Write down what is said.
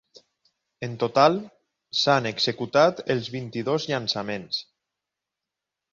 En total, s’han executat els vint-i-dos llançaments.